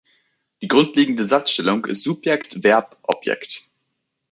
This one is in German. Die grundlegende Satzstellung ist Subjekt-Verb-Objekt.